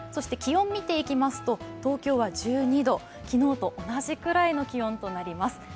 気温見ていきますと、東京は１２度、昨日と同じくらいの気温となります。